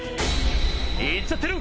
いっちゃってる！